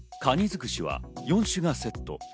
づくしは４種がセット。